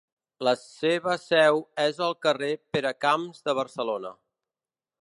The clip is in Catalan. La seva seu és al carrer Peracamps de Barcelona.